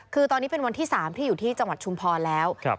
คือตอนนี้เป็นวันที่๓ที่อยู่ที่จังหวัดชุมพรแล้ว